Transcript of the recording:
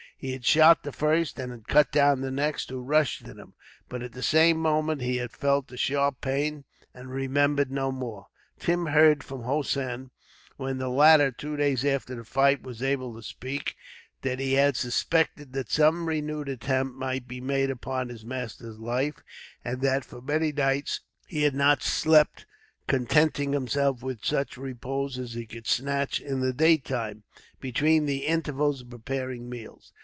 He had shot the first, and cut down the next who rushed at him, but at the same moment he had felt a sharp pain, and remembered no more. Tim heard from Hossein, when the latter, two days after the fight, was able to speak, that he had suspected that some renewed attempt might be made upon his master's life; and that for many nights he had not slept, contenting himself with such repose as he could snatch in the daytime, between the intervals of preparing meals.